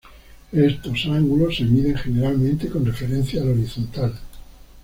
Estos ángulos se miden generalmente con referencia al horizontal.